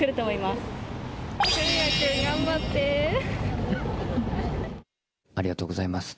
文哉君、ありがとうございます。